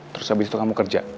terus habis itu kamu kerja